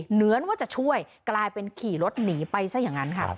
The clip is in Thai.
เหมือนว่าจะช่วยกลายเป็นขี่รถหนีไปซะอย่างนั้นค่ะ